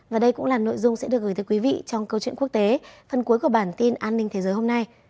và đây cũng là nội dung sẽ được gửi tới quý vị trong câu chuyện quốc tế phần cuối của bản tin an ninh thế giới hôm nay